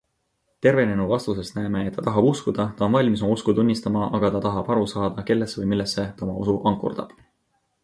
Tervenenu vastusest näeme, et ta tahab uskuda, ta on valmis oma usku tunnistama, aga ta tahab aru saada, kellesse või millesse ta oma usu ankurdab.